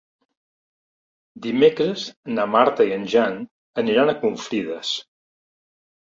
Dimecres na Marta i en Jan aniran a Confrides.